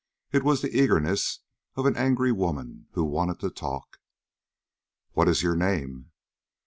It was the eagerness of an angry woman who wanted to talk. "What is your name?"